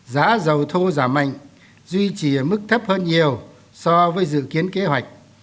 giá dầu thô giảm mạnh duy trì ở mức thấp hơn nhiều so với dự kiến kế hoạch